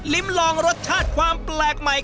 ลองรสชาติความแปลกใหม่